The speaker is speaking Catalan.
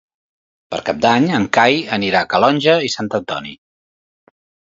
Per Cap d'Any en Cai anirà a Calonge i Sant Antoni.